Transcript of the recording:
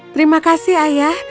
terima kasih ayah